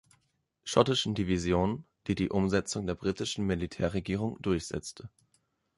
Schottischen Division, die die Umsetzung der britischen Militärregierung durchsetzte.